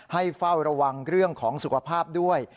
เฝ้าระวังเรื่องของสุขภาพด้วย